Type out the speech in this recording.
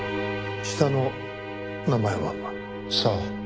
下の名前は？さあ？